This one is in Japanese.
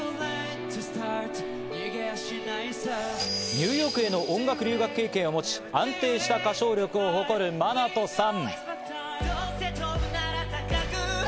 ニューヨークへの音楽留学経験を持ち安定した歌唱力を誇るマナトさん。